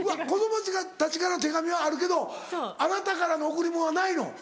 子供たちからの手紙はあるけどあなたからの贈り物はないの。